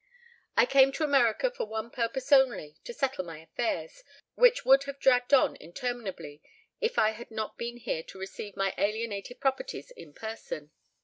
I came to America for one purpose only, to settle my affairs, which would have dragged on interminably if I had not been here to receive my alienated properties in person.